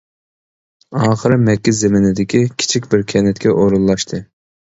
ئاخىرى مەككە زېمىنىدىكى كىچىك بىر كەنتكە ئورۇنلاشتى.